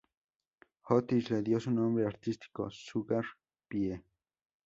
Otis le dio su nombre artístico, Sugar Pie.